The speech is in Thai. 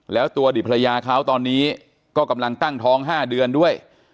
แล้วตัวอดีตภรรยาเขาตอนนี้ก็กำลังตั้งท้อง๕เดือนด้วย